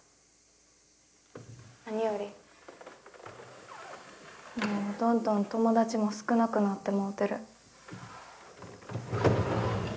何よりもうどんどん友達も少なくなってもうてる。